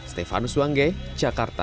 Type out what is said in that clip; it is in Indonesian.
stefanus wangge jakarta